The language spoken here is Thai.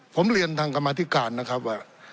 ผมเรียนทางกรรมธิการนะครับว่า